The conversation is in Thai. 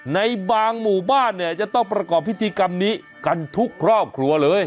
ในบางหมู่บ้านเนี่ยจะต้องประกอบพิธีกรรมนี้กันทุกครอบครัวเลย